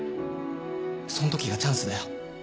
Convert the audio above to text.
その時がチャンスだよ。